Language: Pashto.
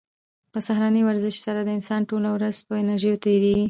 په سهارني ورزش سره د انسان ټوله ورځ په انرژۍ تېریږي.